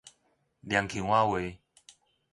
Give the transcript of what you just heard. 涼腔仔話